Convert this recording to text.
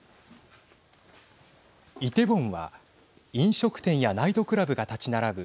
イテウォンは飲食店やナイトクラブが立ち並ぶ